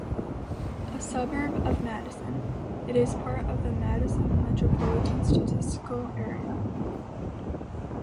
A suburb of Madison, it is part of the Madison Metropolitan Statistical Area.